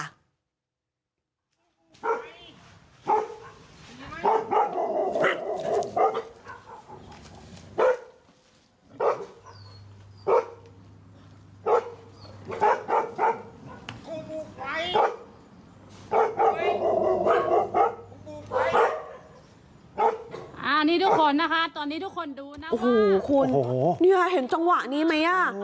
อันนี้ทุกคนนะคะตอนนี้ทุกคนดูนะโอ้โหคุณเนี่ยเห็นจังหวะนี้ไหมอ่ะ